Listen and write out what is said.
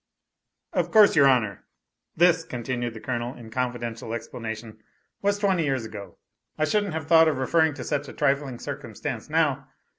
"Of course, your honor. This," continued the Colonel in confidential explanation, "was twenty years ago. I shouldn't have thought of referring to such a trifling circumstance now.